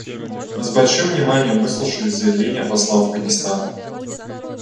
Мы с большим вниманием выслушали заявление посла Афганистана.